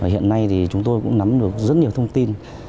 hiện nay thì chúng tôi cũng nắm được rất nhiều thông tin